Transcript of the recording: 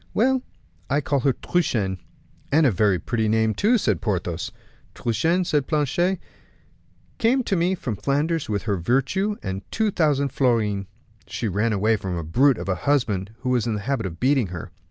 "Well, I call her Truchen." "And a very pretty name too," said Porthos. "Truchen," said Planchet, "came to me from Flanders with her virtue and two thousand florins. She ran away from a brute of a husband who was in the habit of beating her.